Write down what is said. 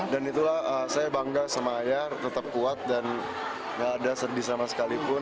dan itulah saya bangga sama ayah tetap kuat dan tidak ada sedih sama sekalipun